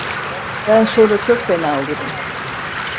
Ben sonra çok fena olurum!